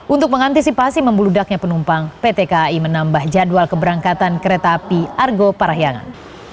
untuk mengantisipasi membludaknya penumpang pt kai menambah jadwal keberangkatan kereta api argo parahyangan